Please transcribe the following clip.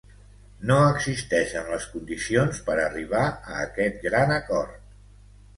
No existeixen les condicions per arribar a aquest gran acord